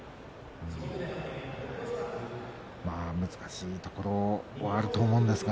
難しいところはあると思います。